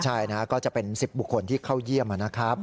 ใช่นะก็จะเป็น๑๐บุคคลที่เข้าเยี่ยมนะครับ